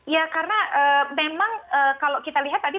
ya karena memang kalau kita lihat tadi